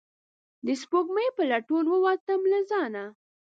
د سپوږمۍ په لټون ووتم له ځانه